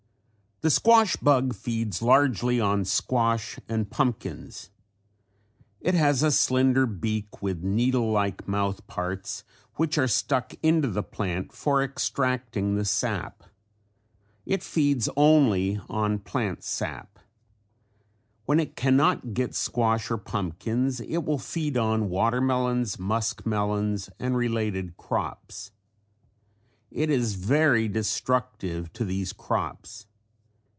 The squash bug feeds largely on squash and pumpkins. It has a slender beak with needle like mouth parts which are stuck into the plant for extracting the sap. It feeds only on plant sap. When it can not get squash or pumpkins it will feed on watermelons, muskmelons and related crops. It is very destructive to these crops.